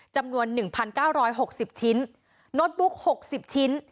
จำรวนหนึ่งพันเก้าร้อยหกสิบชิ้นโน๊ตบุ๊คหกสิบชิ้น